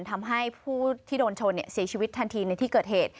ทำให้ผู้ที่โดนชนเสียชีวิตทันทีในที่เกิดเหตุ